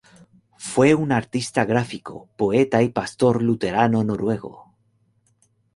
Fue un artista gráfico, poeta y pastor luterano noruego.